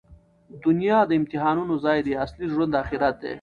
دونیا د امتحاناتو ځای دئ. اصلي ژوند آخرت دئ.